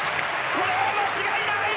これは間違いない！